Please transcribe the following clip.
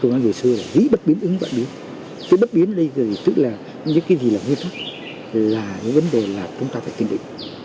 là những vấn đề là chúng ta phải kiên định